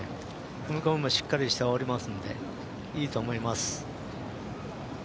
踏み込みもしっかりしておりますんでいいと思います。